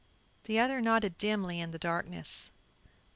The other nodded dimly in the darkness.